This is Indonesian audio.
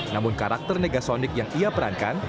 namun karakter negasonic yang ia perankan